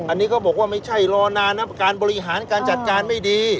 อันนี้เขาบอกว่าไม่ใช่รอนานนะการบริหารการจัดการไม่ดี